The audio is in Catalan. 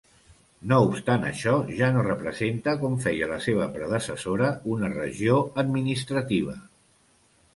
No obstant això, ja no representa, com feia la seva predecessora, una regió administrativa.